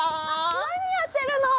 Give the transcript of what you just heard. なにやってるの？